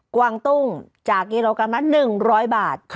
กวางตุ้งจากกิโลกรัมละ๑๐๐บาท